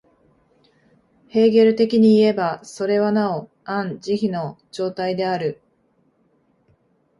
ヘーゲル的にいえば、それはなおアン・ジヒの状態である。